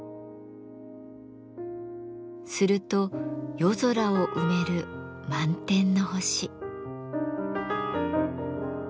すると夜空を埋める満天の星。